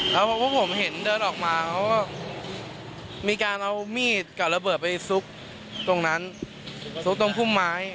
แล้วพอพวกผมเห็นเดินออกมาเขาก็มีการเอามีดกับระเบิดไปซุกตรงนั้นซุกตรงพุ่มไม้